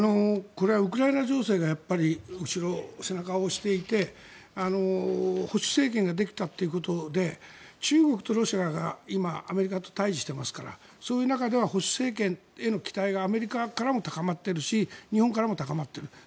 これはウクライナ情勢が背中を押していて保守政権ができたということで中国とロシアが今、アメリカと対峙していますからそういう中では保守政権への期待がアメリカからも高まっているし日本からも高まっている。